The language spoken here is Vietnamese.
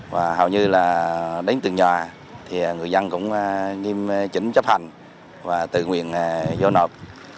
và hầu như đến từ nhà người dân cũng nghiêm chỉnh chấp hành và tự nguyện giao nộp